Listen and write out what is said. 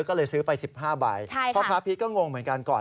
ก็เลยซื้อไป๑๕ใบพ่อค้าพีชก็งงเหมือนกันก่อน